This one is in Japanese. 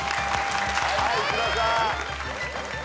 はい内田さん。